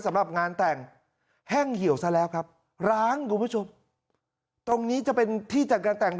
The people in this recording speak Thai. สำหรับงานแต่งแห้งเหี่ยวซะแล้วครับร้านคุณผู้ชมตรงนี้จะเป็นที่จัดการแต่ง